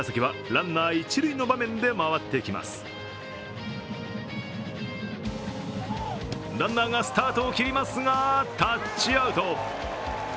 ランナーがスタートを切りますが、タッチアウト。